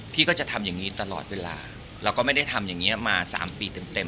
พี่ก็จะทำอย่างนี้ตลอดเวลาเราก็ไม่ได้ทำอย่างนี้มา๓ปีเต็ม